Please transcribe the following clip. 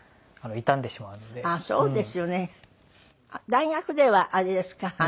大学ではあれですか？